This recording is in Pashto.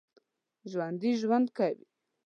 ژوندي ژوند کوي